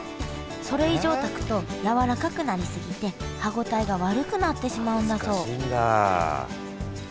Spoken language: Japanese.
それ以上炊くとやわらかくなりすぎて歯応えが悪くなってしまうんだそうあ難しいんだ。